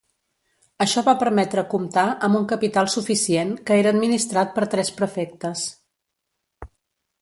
Això va permetre comptar amb un capital suficient, que era administrat per tres prefectes.